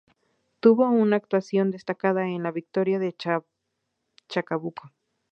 Tuvo una actuación destacada en la victoria de Chacabuco.